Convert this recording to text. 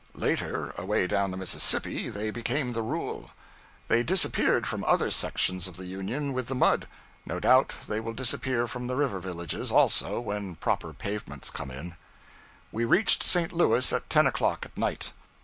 Later away down the Mississippi they became the rule. They disappeared from other sections of the Union with the mud; no doubt they will disappear from the river villages, also, when proper pavements come in. We reached St. Louis at ten o'clock at night.